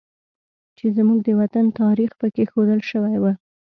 چې زموږ د وطن تاریخ پکې ښودل شوی و